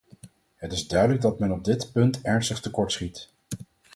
Het is duidelijk dat men op dit punt ernstig tekort schiet.